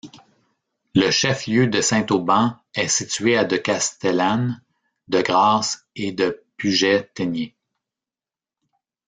Le chef-lieu de Saint-Auban est situé à de Castellane, de Grasse et de Puget-Théniers.